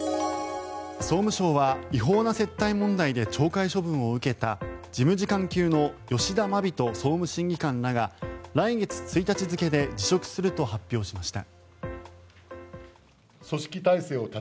総務省は違法な接待問題で懲戒処分を受けた事務次官級の吉田眞人総務審議官らが来月１日付で辞職すると発表しました。